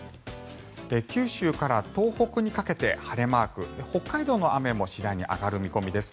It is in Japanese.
九州から東北にかけて晴れマーク北海道の雨も次第に上がる見込みです。